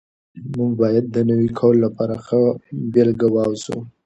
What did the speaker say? موږ باید د نوي کهول لپاره ښه بېلګه واوسو.